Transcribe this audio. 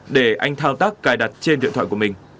để anh thao tác cài đặt trên điện thoại của mình